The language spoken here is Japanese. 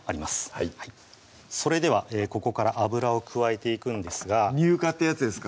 はいそれではここから油を加えていくんですが乳化ってやつですか？